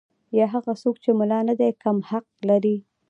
یا هغه څوک چې ملا نه دی کم حق لري.